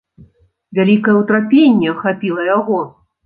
Вялікае ўтрапенне ахапіла яго.